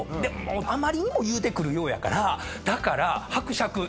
あまりにも言うてくるようやからだから。